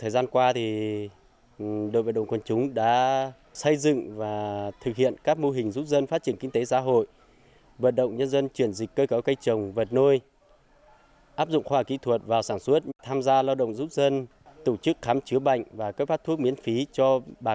đảng ủy ban chỉ huy đồn biên phòng mường lèo đã triển khai thực hiện nhiều mô hình chương trình có ý nghĩa thiết thực như thầy giáo quân hàm xanh cán bộ tăng cường xanh ủng hộ cho người nghèo nơi biên giới